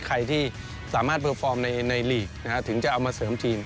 ใครที่สามารถเบอร์ฟอร์มในลีกถึงจะเอามาเสริมทีม